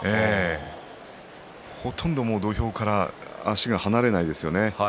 ほとんど土俵から足が離れないですよね。